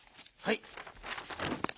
はい。